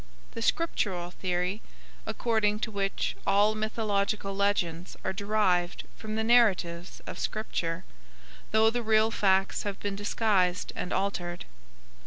The Scriptural theory; according to which all mythological legends are derived from the narratives of Scripture, though the real facts have been disguised and altered.